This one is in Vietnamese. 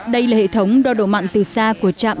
đây là hệ thống đo độ mặn từ xa của trạm